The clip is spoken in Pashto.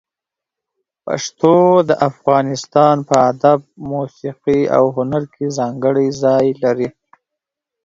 پښتو د افغانستان په ادب، موسيقي او هنر کې ځانګړی ځای لري.